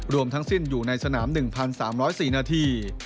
รวมทั้งสิ้นอยู่ในสนาม๑๓๐๔นาที